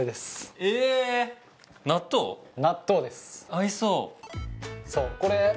合いそう。